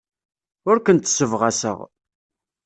Ur kent-ssebɣaseɣ.